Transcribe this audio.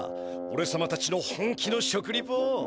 おれさまたちの本気の食リポを。